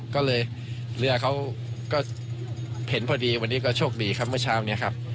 ก็เลยเรือเขาก็เห็นพอดีวันนี้ก็โชคดีครับเมื่อเช้านี้ครับ